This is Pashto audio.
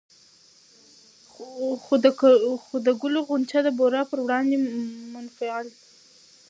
خو د ګلو غونچه د بورا پر وړاندې منفعل